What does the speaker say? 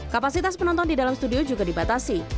kapasitas penonton di dalam studio juga dibatasi